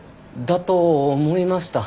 だと思いました。